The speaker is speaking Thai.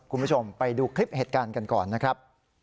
คุณผู้ชมไปดูคลิปเหตุการณ์กันก่อนนะครับ